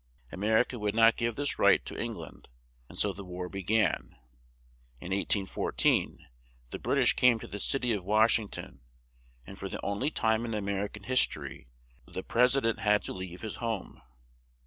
A mer i ca would not give this right to Eng land, and so the war be gan. In 1814 the Brit ish came to the cit y of Wash ing ton, and for the on ly time in A mer i can his to ry the Pres i dent had to leave his home.